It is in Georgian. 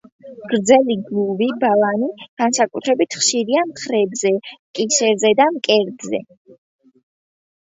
გრძელი, გლუვი ბალანი განსაკუთრებით ხშირია მხრებზე, კისერზე და მკერდზე.